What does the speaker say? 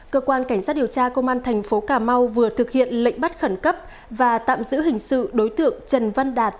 cơ quan cảnh sát điều tra công an thành phố cà mau vừa thực hiện lệnh bắt khẩn cấp và tạm giữ hình sự đối tượng trần văn đạt